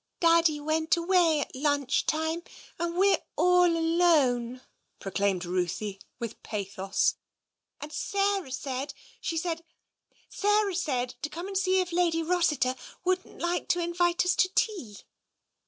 " Daddy went away at lunch time and we're all alone," proclaimed Ruthie with pathos. " And Sarah said, she said — Sarah said, to come and see if Lady Rossiter wouldn't like to invite us to tea."